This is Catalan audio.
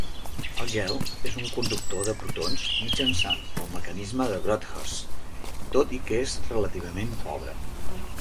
El gel és un conductor de protons mitjançant el mecanisme de Grotthuss, tot i que és relativament pobre.